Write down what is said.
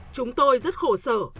chúng tôi rất khổ sở